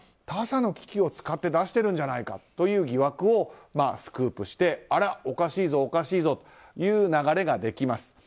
他社の機器を使って出してるんじゃないかという疑惑をスクープしておかしいぞ、おかしいぞという流れができます。